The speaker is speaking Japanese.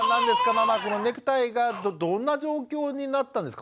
ママこのネクタイがどんな状況になったんですか？